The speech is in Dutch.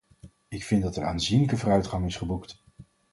Ik vind dat er aanzienlijke vooruitgang is geboekt.